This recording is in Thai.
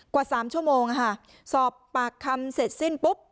กว่าสามชั่วโมงสอบปากคำเสร็จสิ้นปุ๊บ